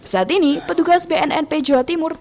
saat ini petugas bnnp jawa timur tengah mencari penyelidikan